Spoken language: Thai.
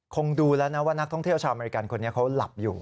คงดูแล้วนะว่านักท่องเที่ยวชาวอเมริกันคนนี้เขาหลับอยู่